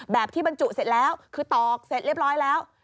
แบบที่บรรจุเสร็จแล้วคือตอกเสร็จเรียบร้อยแล้ว